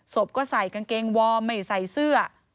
ก็ใส่กางเกงวอร์มไม่ใส่เสื้อ